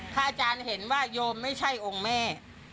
อาจารย์เห็นว่าโยมไม่ใช่องค์แม่